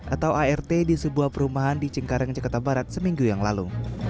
atau art di sebuah perumahan di cengkareng jakarta barat seminggu yang lalu